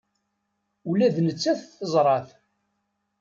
Ula d nettat teẓra-t.